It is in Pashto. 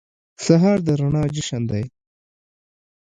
سهار د رڼا جشن دی.